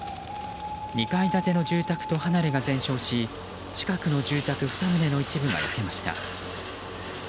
２階建ての住宅と離れが全焼し近くの住宅２棟の一部が焼けました。